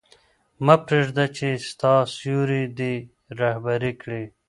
مه پرېږده چې ستا سیوری دې رهبري کړي.